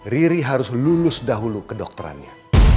riri harus lulus dahulu ke dokterannya